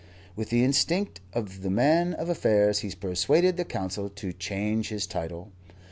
With the instinct of the man of affairs he persuaded the Council to change his title.